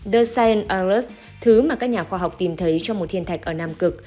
the cyanus thứ mà các nhà khoa học tìm thấy trong một thiên thạch ở nam cực